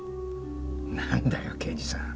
なんだよ刑事さん。